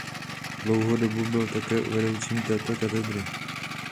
Dlouhou dobu byl také vedoucím této katedry.